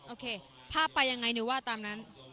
โอเคภาพไปยังไงหนูว่าตามนั้น